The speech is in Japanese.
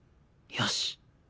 「よし！」